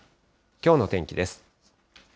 きょうの天気です。